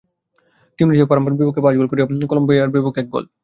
তিউনিসিয়া ও পানামার বিপক্ষে পাঁচ গোল আর কলম্বিয়ার বিপক্ষে এক গোল।